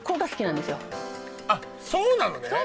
あっそうなのね